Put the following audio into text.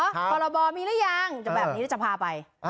พรบมีหรือยังจะแบบนี้จะพาไป